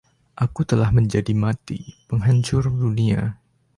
Aku telah menjadi mati, penghancur dunia.